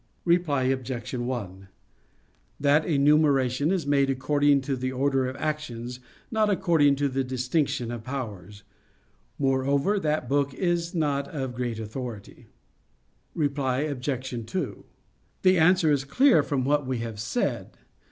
Reply Obj. 1: That enumeration is made according to the order of actions, not according to the distinction of powers. Moreover, that book is not of great authority. Reply Obj. 2: The answer is clear from what we have said.